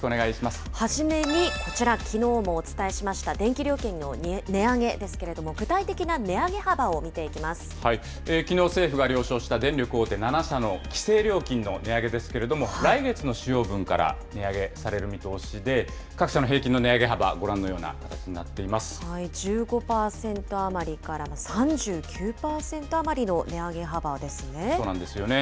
初めにこちら、きのうもお伝えしました、電気料金の値上げですけれども、具体的な値上げ幅をきのう、政府が了承した電力大手７社の規制料金の値上げですけれども、来月の使用分から値上げされる見通しで、各社の平均の値上げ幅、ご覧のような形になっ１５％余りから、３９％余りそうなんですよね。